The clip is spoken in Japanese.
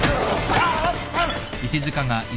あっ。